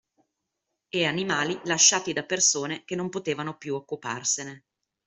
E animali lasciati da persone che non potevano più occuparsene